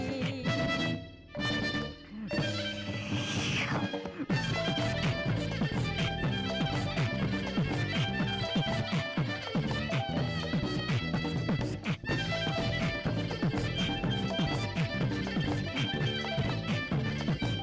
selamat pagi selamat pagi selamat pagi making ramadhan pemirsa dari gambang